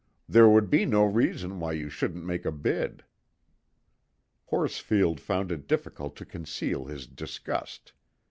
"There would be no reason why you shouldn't make a bid." Horsfield found it difficult to conceal his disgust.